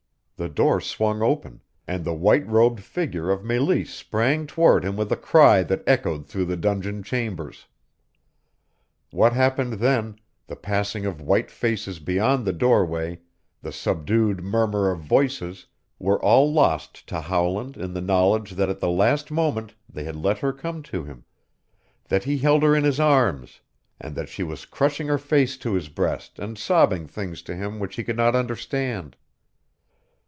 The door swung open, and the white robed figure of Meleese sprang toward him with a cry that echoed through the dungeon chambers. What happened then the passing of white faces beyond the doorway, the subdued murmur of voices, were all lost to Howland in the knowledge that at the last moment they had let her come to him, that he held her in his arms, and that she was crushing her face to his breast and sobbing things to him which he could not understand.